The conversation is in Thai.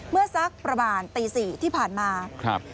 เมื่อสักประมาณตี๔ที่ผ่านมา